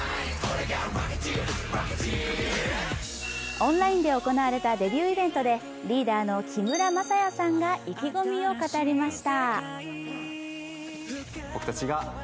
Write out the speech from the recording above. オンラインで行われたデビューイベントでリーダーの木村柾哉さんが意気込みを語りました。